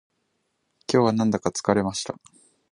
今日はなんだか疲れました